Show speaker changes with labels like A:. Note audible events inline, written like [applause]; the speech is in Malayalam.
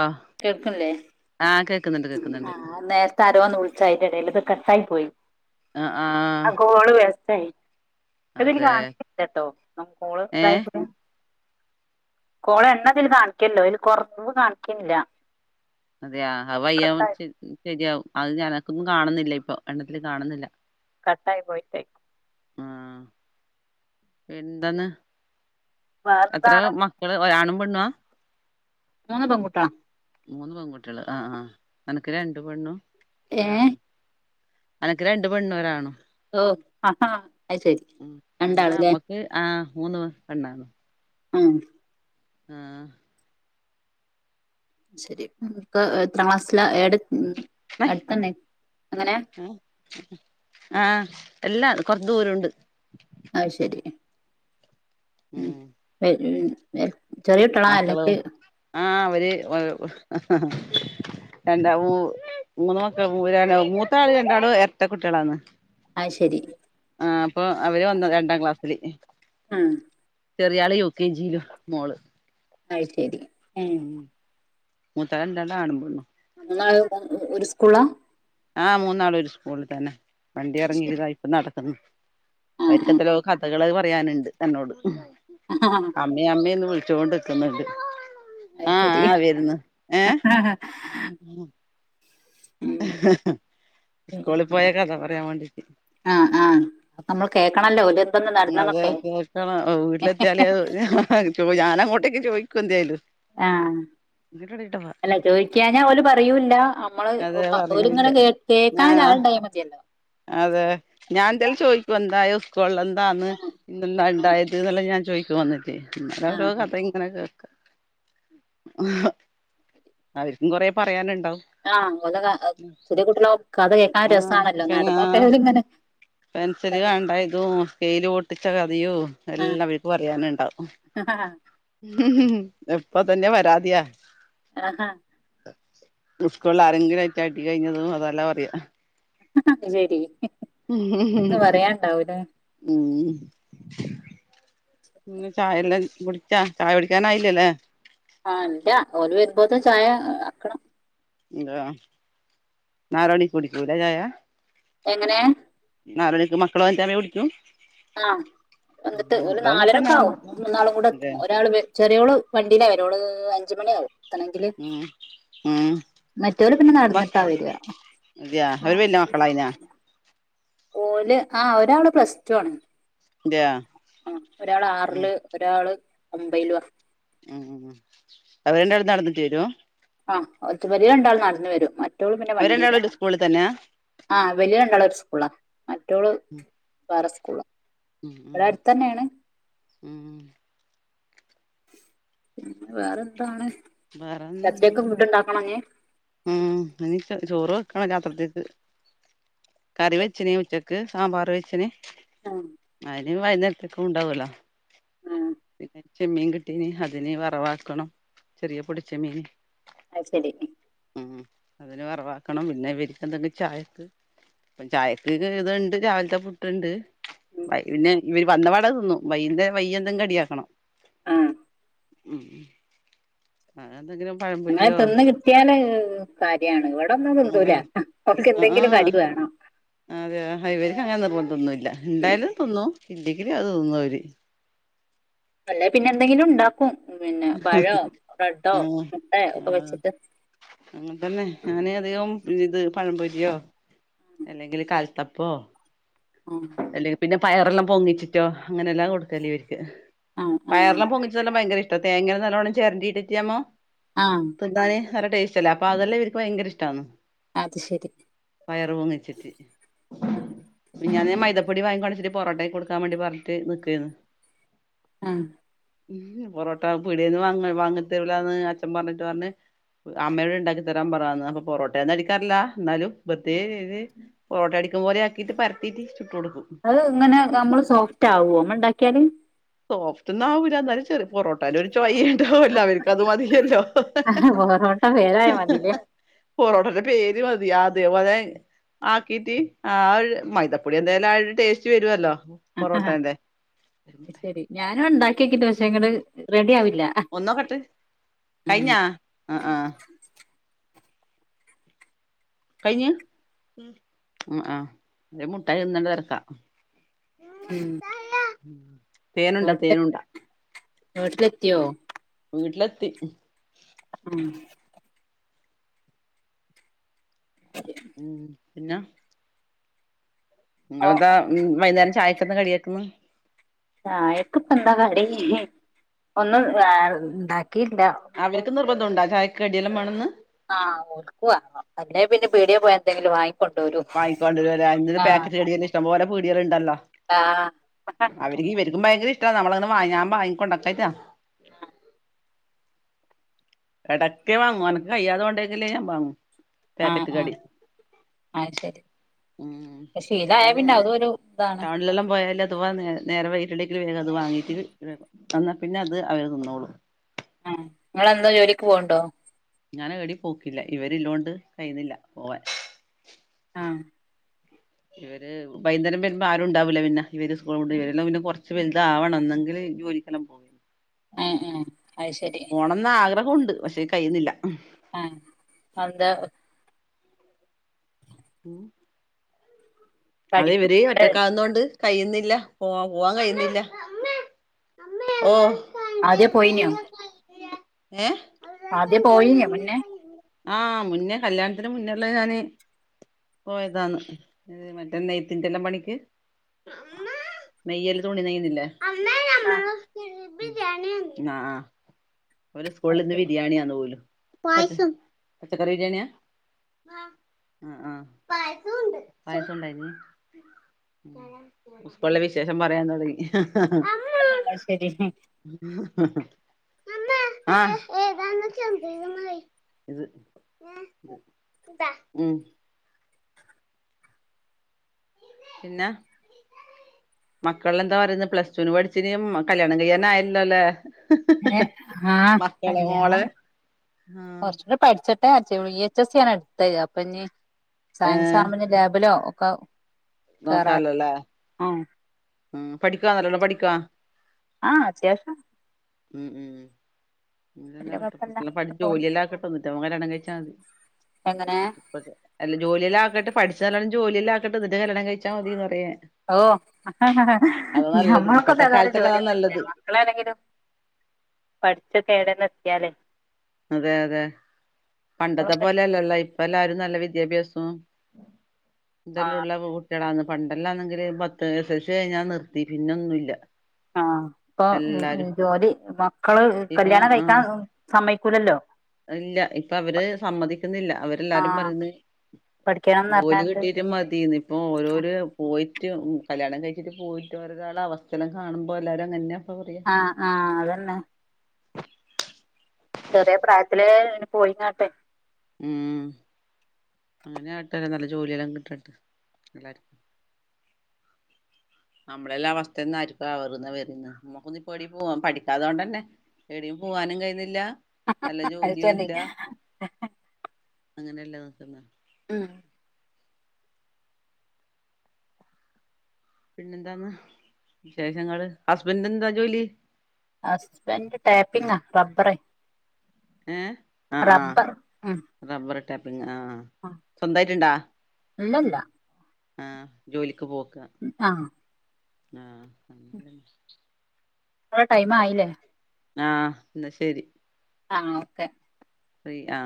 A: ഓ
B: കേൾക്ക്ൺല്ലേ?
A: ആഹ് കേക്കുന്നുണ്ട് കേക്കുന്നുണ്ട്
B: ആ നേരത്തെ അരോന്ന് വുൾച്ചായിന്റെടെലത് കട്ടായിപോയി
A: ആഹ് ആഹ്
B: ആഗോൾ വെസ്റ്റായി
A: അതെ ഏഹ്
B: [unintelligible] കോളണ്ണംതില് കാണിക്ക്ണ്ട് [unintelligible] കാണിൻക്കില്ല
A: അതെയ അവയ്യ ശെരിയാവും അത് ഞനക്കൊന്നുംകാണുന്നില്ലപ്പൊ എണ്ണത്തില്കാണുന്നില്ല
B: കട്ടായി പോയിട്ടേയ്
A: ആ എന്തന്ന്? എത്ര
B: വേറെന്താണ്
A: മക്കള് ഒരാണുംപെണ്ണ?
B: മൂന്ന്പെൺക്കുട്ടള
A: മൂന്ന് പെൺകുട്ടിയാള് ആ ആ എനക്ക് രണ്ട്പെണ്ണും
B: ഏ
A: ഒരാണ്. അനക്ക് രണ്ട്പെണ്ണൂരാണും
B: ഓ ആഹാ അത് ശരി
A: ഉം അന്റെ
B: രണ്ടാളല്ലേ
A: അമ്മക്ക് ആ മൂന്ന് [unintelligible]
B: [unintelligible]
A: ആ
B: ശരി പ്പൊഎത്രക്ലാസ്സില എട്
A: [unintelligible] ആ എല്ലാ കൊറച്ച്ദൂരുണ്ട്.
B: ആയ്ശരി ഉം [unintelligible] കുട്ടികളാ
A: മക്കളോ
B: അല്ലെങ്കിൽ
A: ആ അവര് [unintelligible] [unintelligible] മൂത്താള് രണ്ടാളും എരട്ടക്കുട്ടിയാളാണ്
B: അത് ശരി
A: ആ അപ്പൊ അവര്ന്ന് രണ്ടാംക്ലാസ്സില്
B: ആ
A: ചെറിയാള് യൂ ക്കെ ജിയിലും മോള്
B: ആയ്ശരി
A: ഉം മൂത്താ [unintelligible] ആണുംപെണ്ണും
B: [unintelligible] ഒരുസ്ക്കുളാ?
A: ആ മൂന്നാളൊരുസ്കൂളിൽതന്നെ
B: ശരി
A: വണ്ടിഎറങ്ങിതാ ഇപ്പൊനടക്കുന്നു അവർക്ക് എന്തല്ലോ കഥകള് പറയാനുണ്ട് എന്നോട്
B: ആ ആ
A: അമ്മ അമ്മയന്ന് വിളിച്ച ച്ചോണ്ട് നിക്ക്ന്നുണ്ട്
B: അത്
A: ആഹ്
B: ശരി
A: ആഹ് വര്ന്ന് ഏഹ്
B: ഉം.
A: സ്കൂള് പോയ കഥ പറയാൻ വേണ്ടിട്ട്
B: ആഹ് അപ്പ നമ്മൾ കേൾക്കണല്ലോ ഓല് എന്തെന്ന്
A: അതെ
B: നടന്നന്നൊക്കെ
A: കേക്കണം വീട്ടിലെത്തിയാല് ഞാൻ അങ്ങോട്ടേക്ക് ചോയ്ക്കും എന്തേലും
B: ആഹ്
A: [unintelligible]
B: അല്ല ചോദിക്കഞ്ഞാ ഓല് പറയൂല്ല മ്മള്
A: അതെ
B: ഒബ
A: പറയൂല്ല
B: ഓലിങ്ങനെ കേ കേക്കാൻ
A: ഞാനാ
B: ആള്ണ്ടായ മതിയല്ലോ
A: അതെ ഞാൻ എന്തായാലും ചോയ്ക്കും എന്തായോ കൊള് എന്താന്ന്
B: ആ
A: ഇന്നെന്താ ഇണ്ടായത്ന്നെല്ലാം ഞാൻ ചോയ്ക്കും വന്നിട്ട് ഇങ്ങനാ
B: ആ
A: ഓരോ കഥ ഇങ്ങനെ കേ അവര്ക്കും കൊറേ പറയാനു
B: ആഹ് ഓല് ക ചെറിയ കുട്ടികള് ആവും കഥ കേക്കാൻ
A: ആഹ്
B: രസാണല്ലോ
A: പിന്നെ
B: നടന്നോക്കെ ഇങ്ങനെ
A: പെൻസില് കണ്ട ഇതും സ്കെയിൽപൊട്ടിച്ച ക ഥയും
B: ആ
A: എല്ലാം അവര്ക്ക് പറയാനുണ്ടാവും ഇപ്പൊ തന്നെ പരാതിയാ
B: ആഹാ
A: ഉം സ്കൂളില് ആരെങ്കിലും ആയിട്ട് അടി കഴിഞ്ഞതും അതെല്ലാ പറയാ
B: ആഹ് ശരി
A: ഉം
B: ഒന്നും പറയാണ്ടാവൂലേ
A: ഉം പിന്നെ ചായെല്ലാം കുടിച്ചാ ചായ കുടിക്കാനായില്ല അല്ലേ
B: ആഹ് ഇല്ല ഓല് വരുമ്പോത്ത് ചായ ആക്കണം
A: ഇല്ല നാറോണി കുടിക്കൂലേ ചായ
B: എങ്ങനെ
A: നാലുമണിക്ക് മക്കള് വന്നിട്ടമേ കുടിക്കൂ
B: ആഹ് വന്നിട്ട് ഓല്
A: അങ്ങനെ തന്നെ
B: നാലരൊക്കെ ആവും
A: മക്കള്
B: മൂന്നാളും കൂടെ
A: അതെ
B: എത്തും ഒരാള് ചെറിയോള് വണ്ടിയില വ ഓള് അഞ്ചു മണി ആവും എത്തണെങ്കില്
A: ഉം ഉം
B: മറ്റൊല് പിന്നെ
A: മക്
B: നടന്നിട്ടാ വരിക
A: അതെയാ അവര് വലിയ മക്കളായിനാ
B: ഓല് ആഹ് ഒരാള് പ്ലസ് ടു ആണ്
A: അതെയാ
B: ആ ഒരാള് ആറില് ഒരാള് ഒമ്പയിലുവാ
A: ഉം ഉം ഉം അവര് രണ്ടാളും നടന്നിട്ട് വരും
B: ആഹ് ഒത്തുമ്മല് രണ്ടാൾ നടന്ന് വരും മ റ്റൊള് പിന്നെ
A: അവര് രണ്ടാളും
B: വണ്ടിയിലാണ്
A: സ്കൂളിൽ തന്നെയാ
B: ആഹ് വലിയ രണ്ടാളും ഒരു സ്കൂളാ മറ്റൊള് വേറെ സ്കൂളാ
A: ഉം ഉം
B: ഇവ്ടാ അടുത്തന്നെയാണ്
A: ഉം
B: പിന്നെ വേറെന്താണ് എത്രയൊക്കെ
A: വേറൊന്നുല്ലല്ലോ
B: ഫുഡ് ഉണ്ടാക്കണം ങേ
A: ഉം ഇനി ചോറ് വെക്കണം രാത്രിത്തേക്ക് കറി വെച്ചിനി ഉച്ചക്ക് സാമ്പാർ വെച്ചിന്
B: ആഹ്
A: ഇനി വൈകുന്നേരത്തേക്കും ഉണ്ടാവൂലോ
B: ആഹ്
A: പിന്നെ ചെമ്മീൻ കിട്ടീന് അതിനി വറവാക്കണം ചെറിയ പൊടി ചെമ്മീന്
B: അയ്ശേരി
A: ഉം അത് ഇനി വറവാക്കണം പിന്നെ ഇവരിക്ക് എന്തെങ്കും ചായക്ക് ഇപ്പം ചായക്ക് ഇത് ഇത്ണ്ട് രാവിലത്തെ പുട്ട്ണ്ട്
B: ഉം
A: വൈ പിന്നെ ഇവര് വന്നപാടെ തിന്നും വയ്യ്ന്തേ വയ്യ് എന്തും കടിയാക്കണം
B: ആഹ്
A: ഉം അത
B: ഇങ്ങനെ തിന്ന് കിട്ടിയല് കാര്യാണ് ഇവ് ടൊന്നും
A: അതെ
B: തിന്തൂലാ ആഹ് മക്കക്ക് എന്തെങ്കിലും കടി വേണം
A: അതെയാ ഹാ ഇവര്ക്ക് അങ്ങനെ നിർബന്ധോന്നുല്ല ഇണ്ടായാലും തിന്നും ഇല്ലങ്കില് അത് തിന്നും അവര്.
B: അല്ലെ പിന്നെ എന്തെങ്കിലും ണ്ടാക്കും. പിന്നെ പഴോ ബ്രഡോ മുട്ടയ ഒക്കെ വെച്ചിട്ട്.
A: അങ്ങനട്ട തന്നെ ഞാനെ അധികം ഇത്- പഴപൊരിയോ അല്ലെങ്കിൽ കാൽത്തപ്പോ അല്ലെങ്കിപിന്നെ- പയർറെല്ലാം പൊങ്ങിച്ചിട്ടോ അങ്ങനെല്ലാം കൊടുക്കല്ല ഇവർക്ക്
B: ആ
A: പയറല്ലാപോങ്ങിച്ചത് എല്ലാം ഭയങ്കര ഇഷ്ടണ്. റ്റ തേങ്ങ നല്ലോണ്ണം ചേരണ്ടിട്ടിറ്റാമ്മോ
B: ആ ആ
A: പന്താന്. നല്ല ടേസ്റ്റ്ല്ല അപ്പൊ അതല്ല എനിക്ക് ഭയങ്കര ഇഷ്ടമാണ്.
B: അത് ശരി
A: പയർ പൂങ്ങിച്ചിട്ടി.
B: ആ
A: ഞാൻ മൈദപ്പൊടി വാങ്ങിക്കോണെച്ചിട്ട പൊറോട്ടയും കൊടുക്കാൻ വേണ്ടി പറഞ്ഞിട്ട് നിക്കുവായിനി.
B: ആഹ്
A: ഉ പൊറോട്ട പിടന്ന് വാ വാങ്ങത്തെല്ലന്ന് അച്ഛൻ പറഞ്ഞിട്ട് പറഞ്ഞഞ്. അമ്മയോട് ണ്ടാക്കി തരാൻ പറന്ന് അപ്പൊ പൊോട്ടയന്നും അടിക്കാറില്ല എന്നാലും ബത്തി പൊറോട്ട - കുമോയാക്കി പര -
B: അത് ഇങ്ങനെ നമ്മള് സോഫ്റ്റ് ആവ
A: സോഫ്റ്റ് ഒന്നും ആവുല്ല ന്നാലും ചെറിയ പൊറട്ടന്റെയൊരു ചോയ - ഇല്ല അവനക്ക് അത് മതിയല്ലോ.
B: പൊറോട്ട പേരായ മതില്ലേ
A: പൊറോട്ടന്റെ പേര് - അ അതെ അതെ ആക്കീട്ട് ആ മൈതപ്പൊടി എന്തായാലും പൊറോട്ടന്റെ.
B: ശരി ഞാനും ഉണ്ടാക്കിക്കിട്ട് പക്ഷെ ങ്ങള് റെഡി ആ-
A: ഒന്നോക്കെട്ട് കഴിഞ്ഞാ ആ ആ. കഴിഞ് ആ അ
B: മ്
A: തേനുണ്ടാ തേനണ്ടാ.
B: വീട്ടിലെത്തിയോ?
A: വീട്ടിലെത്തി.
B: മ്
A: മ് പിന്നെ.
B: ഓ
A: നിങ്ങളെന്താ വൈകുന്നേരം ചായക്കന്ന് കടിയാക്കുന്നു?
B: ആ ചായക്ക് പ്പെന്താ കടി ഒന്നും ആ ണ്ടാക്കി.
A: അവർക്ക് നിർബന്ധം ഉണ്ടാ ചായക്ക്ടിയല്ലം വേണംന്ന്?
B: ആഹ്ക്കുവാ അല്ല പിന്നെ പേടിയെ പോയ എന്തെ
A: വാങ്ങിക്കൊണ്ട വര അൊ പാക്കറ്റ് കടിയെ
B: ആഹ്
A: ഇ ഭയങ്കര ഇഷ്ട നമ്മളൊ ഞാൻ ഭാിക്ക കൊണ്ടക്കട്ടാ. ഇടക്കെ വാങ്ങും അനക്ക് കയ്യാത കൊണ്ടെങ്കിലേ ഞാൻ വാങ്ങും
B: ആഹ് ആഹ് അത് ശരി
A: ഉ
B: ശീലായ
A: ഇന്നനെ
B: പിന്നെ
A: ഞാന്
B: അതും ഒരു ഇതാണ്
A: ടൗണിലെല്ലാം പോയാല. [unintelligible] എ നേ നേരെ വൈട്ടിടില് വേഗം അത് വാങ്ങീട്ട് വന്നാൽ പിന്നെ അത് അവരെ തിന്നോളൂ.
B: ആ നിങ്ങെളെന്തോ ജോലിക്ക് പോവണ്ടോ?
A: ഞാന കടി പോക്കില്ല ഇവരില്ലോണ്ട് കഴുന്നില്ല പോവാൻ.
B: മ്
A: ഇവര് ഭൈങ്കരം വരുമ്പോ ആരുംണ്ടാവൂില്ല പിന്നെ ഇവര് സ്കൂളണ്ട് ഇവരെല്ലാംന്നെ കൊറച്ച് വലുത ആവണംന്നെങ്കിൽ- ജോലിക്കല പോവ.
B: ഏ ഏ അത് ശരി.
A: അ പക്ഷേ കഴിയുന്നില്ല.
B: ആഹ് അന്താ?
A: മ് അത്
B: പഠിപ്പ്
A: ഇവര് ഒറ്റക്കാവുന്നോണ്ട്. കഴിയുന്നില്ല പോവാ പോവാൻ കഴിയുന്നില്ല ഓ.
B: ആദ്യേ പോയീന്യോ?
A: ഏ?
B: ആദ്യേ പോയിന്യോ മുന്നേ
A: ആ മുന്നേ കല്യാണത്തിന് മുന്നെള്ള ഞാന് പോയതാന്ന് ഏ [unintelligible] എല്ലാ പണിക്ക് നെയ്യല്, തുണി നെയ്യുന്നില്ലേ
B: ആ.
A: ആ ആ. അവര്
B: അത്
A: സ്കൂളിലിന്ന്
B: ശരി
A: ബിരിയാണിയാന്ന് പോലും, പച്ചക്കറി ബിരിയാണ്യാ? ആ ആ പായസുണ്ടായി ഉസ്ക്കൂള്ളെ വിശേഷം പറയാന്നതേയ് [inaudible] [unintelligible]
B: അത് ശരി
A: [unintelligible] ഉം. പിന്നെ മക്കളെന്താ പറയുന്ന പ്ലസ്ടൂന് പഠിച്ച്ന് കല്യാണം കയ്യാനായല്ലോല്ലെ
B: ഏ ആ കല്യാണം,
A: ആഹ്
B: കൊറ്ച്ചിടെ പഠിച്ച വി എച്ച് എസ് സി ആണ് എട്ത്തേ അപ്പൊഞ്ഞി സയൻസാവുമ്പഞ്ഞി ലാബിലോ ഒക്ക
A: നോക്കാലോല്ലേ ഉം പഠിക്കാ, നല്ലല്ലോ പഠിക്കാ?
B: ആ അത്യാവ്ശ്യോ
A: ഉം ഉം
B: കൊഴപ്പല്ല അങ്ങനെ
A: [unintelligible]
B: പോണ്ട്
A: ജോലിയെല്ലാക്കട്ടെന്നട്ട് അവ കല്യാണം കഴ്ച്ചാ മതി
B: എങ്ങനെ
A: ഇപ്പ അല്ല ജോലിയെല്ലാക്കട്ട് പഠിച്ച് നല്ലണം ജോലിയെല്ലാക്കട്ട് ന്നട്ട് കല്ലണം കഴിച്ചാ മതിന്നറയ ഞ
B: ഓ
A: നല്ലത് ഇപ്പഴത്തെ
B: ഞമ്മൾക്കൊന്നേതായ്ലും
A: കാലത്തല്ലേ അതാ
B: ജോലിയൊന്നുല്ല
A: നല്ലത്
B: മക്കളല്ലെങ്കിലും പഠിച്ചൊക്കെ ഏടേലെത്തിയാലേ-
A: അതെ അതെ പണ്ടത്തെ
B: നമ്മളൊക്കെ
A: പോലല്ലല്ലോ ഇപ്പല്ലാരും നല്ല വി ദ്യാഭ്യാസോം
B: ആഹ്
A: തെലുള്ള കുട്ട്യളാണ്. പണ്ടല്ലാന്നെങ്കില് പത്ത് [unintelligible] ഞ്ഞാ നിർത്തി പിന്നൊന്നുല്ല്യ.
B: ആ പ്പൊ ജോലി മക്കള്
A: ഇപ്പൊ
B: കല്യാണം
A: ആ
B: കഴിക്കാൻ സമ്മയ് ക്കുലല്ലോ
A: ഇല്ല ഇപ്പൊ അവര് സമ്മതിക്ക്ന്നില്ല അവരെല്ലാരും
B: ആഹ്
A: പറയുന്ന്
B: പഠിക്കണംന്ന്
A: ജോലി
B: പറഞ്ഞാട്ട്
A: കിട്ടീട്ട് മതീന്ന്, ഇപ്പൊരോരു പോയി [unintelligible] കല്യാണം കഴിച്ചിട്ട് പോയിട്ട് ഓരാെരാളവസ്ഥല്ലം കാണുമ്പല്ലാരും അങ്ങന
B: ആ ആ അതന്നെ. ചെർയ പ്രായത്തിലേങ്ങനെ പോയിങ്ങാട്ടെ
A: ഉം. അങ്ങനെ ആട്ടെ നല്ല ജോലിയെല്ലാം കിട്ടട്ട് എല്ലാർക്കും നമ്മളെല്ലാം അവസ്ഥന്നായിർക്കും അവറുന്ന വരന്ന് നമ്മുക്കൊന്നിപ്പ ഏടീ പോ പഠിക്കാത്തോണ്ടെന്നെ ഏടീ പോവാനും കയ്യ്ന്നില്ല നല്ല
B: അത് ശരി
A: ജോലിയൂല്ല അങ്ങനെല്ലെ നിക്ക്ന്നെ
B: ഉം.
A: പിന്നെന്താന്ന് വിശേഷങ്ങള്, ഹസ്ബൻ്റെന്താ ജോലി?
B: ഹസ്ബൻ്റ് ടാപ്പിംഗാ റബ്ബറെ
A: ഏ ആ ആ
B: റബ്ബർ ഉം
A: റബ്ബറ് ആ സ്വന്തായിട്ട്ണ്ടാ?
B: ഇല്ലല്ല.
A: ആ ജോലിക്ക് പോക്ക
B: ആഹ്
A: ആ അങ്ങ
B: ടൈമായിലേ
A: ആഹ് എന്നാ ശരി
B: ആഹ ഓക്കെ
A: ശേരി ആ